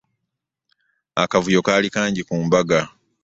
Akavuyo kaali kangi ku mbaga.